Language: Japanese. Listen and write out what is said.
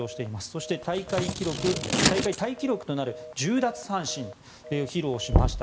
そして大会タイ記録となる１０奪三振を披露しました。